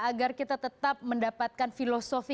agar kita tetap mendapatkan filosofi